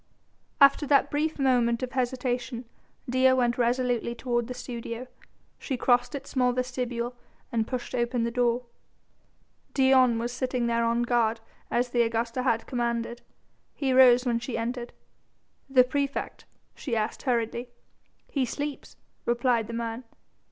After that brief moment of hesitation Dea went resolutely toward the studio. She crossed its small vestibule and pushed open the door. Dion was sitting there on guard as the Augusta had commanded. He rose when she entered. "The praefect?" she asked hurriedly. "He sleeps," replied the man.